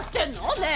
ねえ！